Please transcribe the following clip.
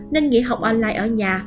nên nghĩa học online ở nhà